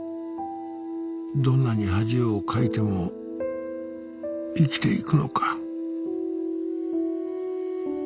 「どんなに恥をかいても生きて行くのか」